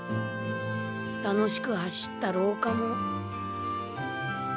楽しく走った廊下も。